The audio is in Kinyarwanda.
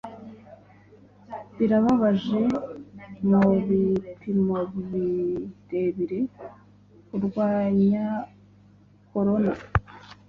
Birababaje mubipimobirebire kurwanykorona